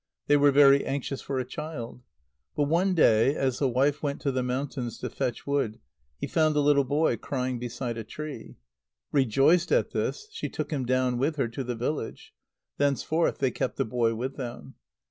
They were very anxious for a child. But one day, as the wife went to the mountains to fetch wood, she found a little boy crying beside a tree. Rejoiced at this, she took him down with her to the village. Thenceforth they kept the boy with them.